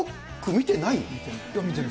見てない？